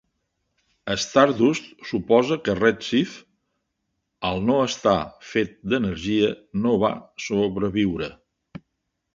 Stardust suposa que Red Shift, al no estar fet d'energia, no va sobreviure.